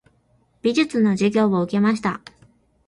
美術の授業を受けました。